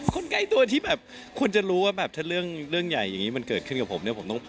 ใกล้ตัวที่แบบควรจะรู้ว่าแบบถ้าเรื่องใหญ่อย่างนี้มันเกิดขึ้นกับผมเนี่ยผมต้อง